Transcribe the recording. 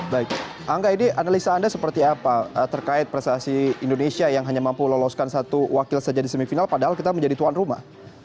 baik angga ini analisa anda seperti apa terkait prestasi indonesia yang hanya mampu loloskan satu wakil saja di semifinal padahal kita menjadi tuan rumah